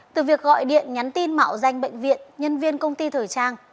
từ việc gọi điện nhắn tin mạo danh bệnh viện nhân viên công ty thời trang